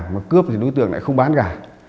mà cướp thì đối tượng lại không bán gà